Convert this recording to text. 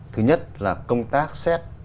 thứ nhất là công tác xét